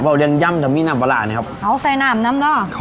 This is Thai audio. เบาเรียงยำแต่มีน้ำปลาร้าเนี่ยครับเอาใส่น้ำน้ำเนอะขอบคุณครับ